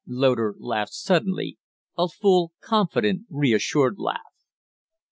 Loder laughed suddenly a full, confident, reassured laugh.